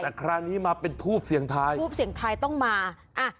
แต่คราวนี้มาเป็นทูบเสียงทายทูปเสียงไทยต้องมาอ่ะ